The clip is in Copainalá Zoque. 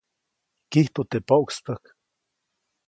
Kijtu teʼ poʼkstäjk.